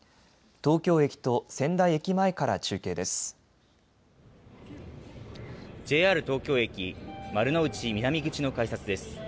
東京駅と仙台駅前から中継です。